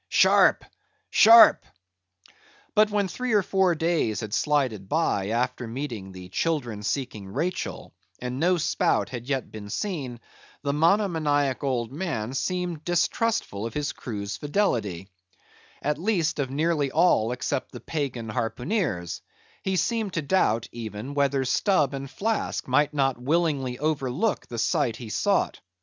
—sharp! sharp!" But when three or four days had slided by, after meeting the children seeking Rachel; and no spout had yet been seen; the monomaniac old man seemed distrustful of his crew's fidelity; at least, of nearly all except the Pagan harpooneers; he seemed to doubt, even, whether Stubb and Flask might not willingly overlook the sight he sought.